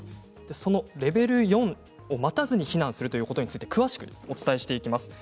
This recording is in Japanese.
レベル４を待たずに避難しようということについて詳しくお伝えしていきます。